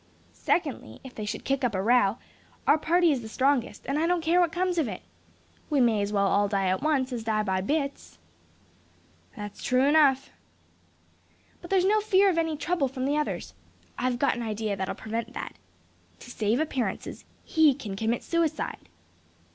Secondly; if they should kick up a row, our party is the strongest; and I don't care what comes of it. We may as well all die at once, as die by bits." "That's true enough." "But there's no fear of any trouble from the others. I've got an idea that'll prevent that. To save appearances, he can commit suicide."